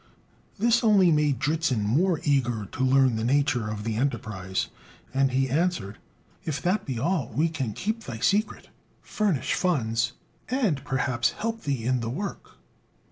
This only made Dritzhn more eager to learn the nature of the enterprise; and he answered, "If that be all, we can keep thy secret, furnish funds, and perhaps help thee in the work."